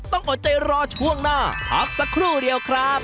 อดใจรอช่วงหน้าพักสักครู่เดียวครับ